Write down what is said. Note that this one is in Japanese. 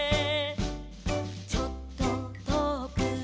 「ちょっととおくへ」